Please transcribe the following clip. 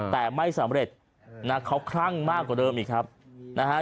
แต่ไม่สำเร็จนะเขาคลั่งมากกว่าเดิมอีกครับนะฮะ